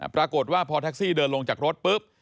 ปรากฏว่าพอแท็กซี่เดินลงจากรถปุ๊บ